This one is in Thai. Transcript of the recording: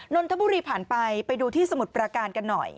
นนทบุรีผ่านไปไปดูที่สมุทรประการกันหน่อย